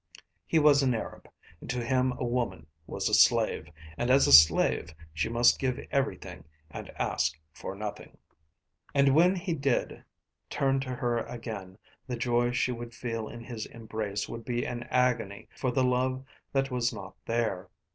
He was an Arab, and to him a woman was a slave, and as a slave she must give everything and ask for nothing. And when he did turn to her again the joy she would feel in his embrace would be an agony for the love that was not there.